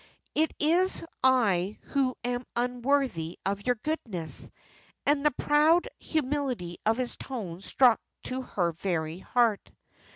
"It is I who am unworthy of your goodness." And the proud humility of his tone struck to her very heart.